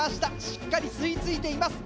しっかり吸い付いています。